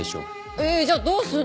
えっじゃあどうすんの？